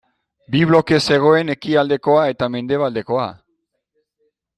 Bi bloke zegoen ekialdekoa eta mendebaldekoa.